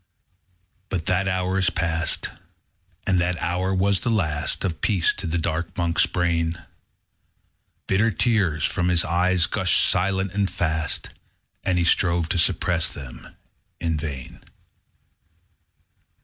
_15 3. But that hour is past; And that hour was the last Of peace to the dark Monk's brain. Bitter tears, from his eyes, gushed silent and fast; And he strove to suppress them in vain.